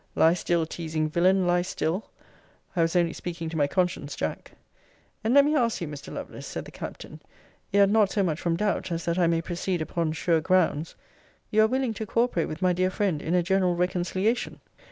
Lie still, teasing villain! lie still. I was only speaking to my conscience, Jack. And let me ask you, Mr. Lovelace, said the Captain; yet not so much from doubt, as that I may proceed upon sure grounds You are willing to co operate with my dear friend in a general reconciliation?